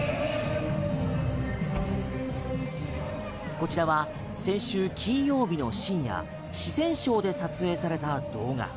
こちらは先週金曜日の深夜四川省で撮影された動画。